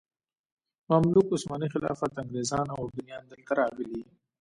مملوک، عثماني خلافت، انګریزان او اردنیان دلته راغلي.